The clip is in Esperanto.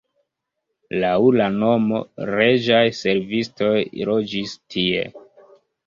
Laŭ la nomo reĝaj servistoj loĝis tie.